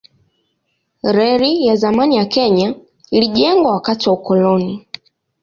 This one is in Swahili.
Reli ya zamani ya Kenya ilijengwa wakati wa ukoloni.